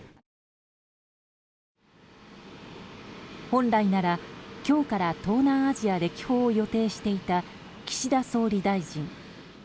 本来なら、今日から東南アジア歴訪を予定していた岸田総理大臣。